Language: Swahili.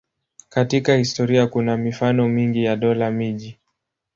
Katika historia kuna mifano mingi ya dola-miji.